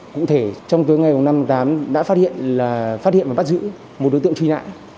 cũng thể trong tuổi ngày năm tám đã phát hiện và bắt giữ một đối tượng truy nã